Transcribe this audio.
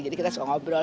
jadi kita suka ngobrol